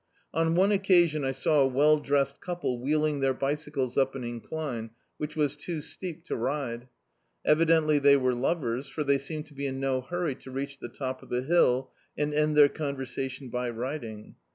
On one occasion I saw a well dressed couple wheeling their bicycles up an incline, which was too steep to ride. Evidently they were lovers, for they seemed to be in no hurry to reach the top of the hill and end their conversation by riding.